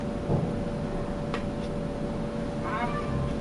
Edgar Selwyn, fue una escritora y dramaturga de larga actuación en su país.